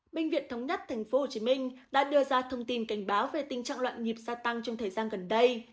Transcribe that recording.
bệnh viện thống nhất tp hcm đã đưa ra thông tin cảnh báo về tình trạng loạn nhịp gia tăng trong thời gian gần đây